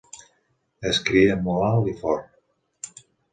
Es cria molt alt i fort.